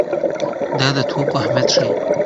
دا د توکي اهميت ښيي.